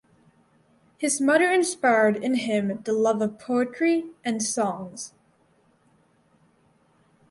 His mother inspired in him the love of poetry and songs.